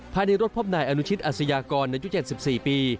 ภายในรถพบหน่ายอนุชิตอาสยากรณ์ในยุค๗๔ปี